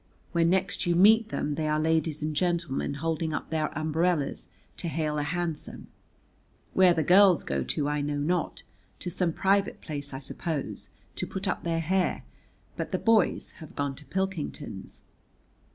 When next you meet them they are ladies and gentlemen holding up their umbrellas to hail a hansom. Where the girls go to I know not, to some private place, I suppose, to put up their hair, but the boys have gone to Pilkington's.